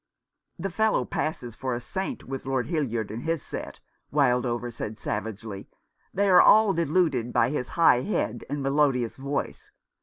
"The fellow passes for a saint with Lord Hildyard and his set," Wildover said savagely. "They are all deluded by his high head and melodious voice.